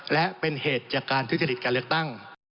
และเป็นเหตุจากการทุจริตการเลือกตั้ง